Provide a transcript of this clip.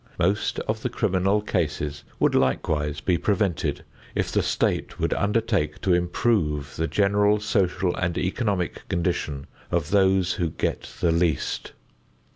Most of the criminal cases would likewise be prevented if the state would undertake to improve the general social and economic condition of those who get the least.